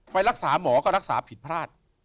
ไปรักษาหมอก็รักษาผิดพลาด